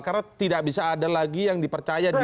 karena tidak bisa ada lagi yang dipercaya di